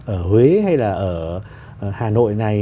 ở huế hay là ở hà nội này